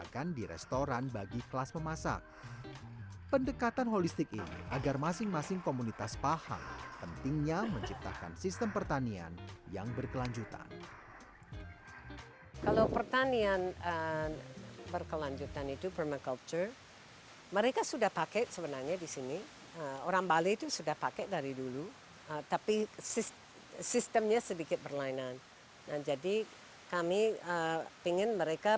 kesenian sendiri tidak pernah dipaksakan